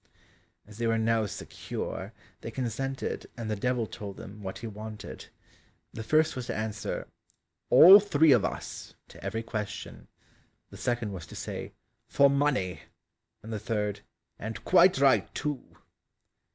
As they were now secure, they consented, and the Devil told them what he wanted. The first was to answer, "All three of us," to every question; the second was to say, "For money," and the third, "And quite right too!"